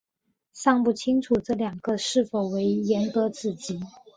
尚不清楚这两个是否为严格子集。